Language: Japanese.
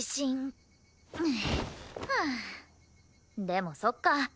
でもそっか。